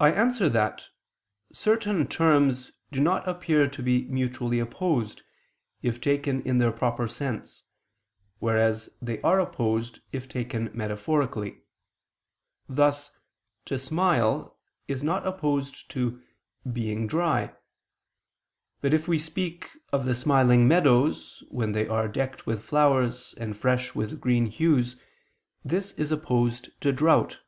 I answer that, Certain terms do not appear to be mutually opposed, if taken in their proper sense, whereas they are opposed if taken metaphorically: thus "to smile" is not opposed to "being dry"; but if we speak of the smiling meadows when they are decked with flowers and fresh with green hues this is opposed to drought.